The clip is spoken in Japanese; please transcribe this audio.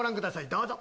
どうぞ。